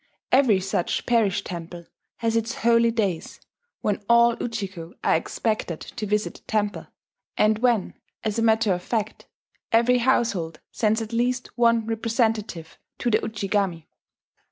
Every such parish temple has its holy days, when all Ujiko are expected to visit the temple, and when, as a matter of fact, every household sends at least one representative to the Ujigami.